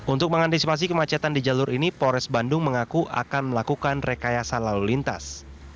untuk mengantisipasi kemacetan di jalur ini polres bandung mengaku akan melakukan rekayasa lalu lintas